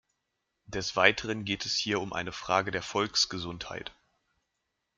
Des Weiteren geht es hier um eine Frage der Volksgesundheit.